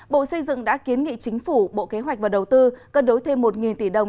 bộ xây dựng đã kiến nghị chính phủ bộ kế hoạch và đầu tư cân đối thêm một tỷ đồng